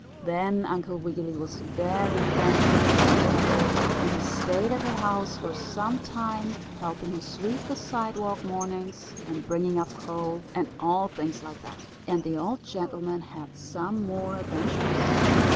Then Uncle Wiggily was very thankful to the tailor bird, and he stayed at her house for some time, helping her sweep the sidewalk mornings, and bringing up coal, and all things like that. And the old gentleman had some more adventures.